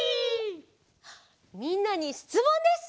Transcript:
みんなにしつもんです！